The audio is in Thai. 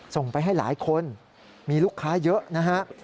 ส่งไปให้หลายคนมีลูกค้าเยอะนะฮะ